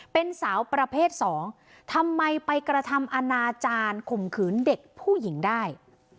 เป็นสาวประเภทสองทำไมไปกระทำอนาจารย์ข่มขืนเด็กผู้หญิงได้